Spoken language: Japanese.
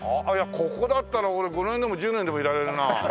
ここだったら俺５年でも１０年でもいられるなあ。